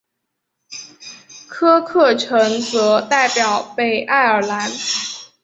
科克城则代表北爱尔兰。